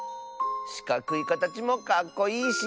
しかくいかたちもかっこいいし。